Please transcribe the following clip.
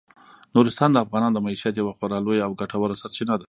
نورستان د افغانانو د معیشت یوه خورا لویه او ګټوره سرچینه ده.